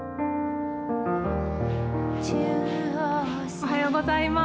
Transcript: おはようございます。